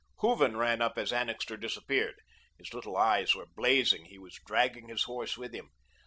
Hooven ran up as Annixter disappeared. His little eyes were blazing, he was dragging his horse with him.